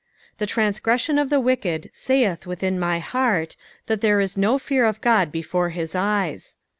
THE transgression of the wicked satth within my heart, tAat ther€ is no fear of God before his eyes.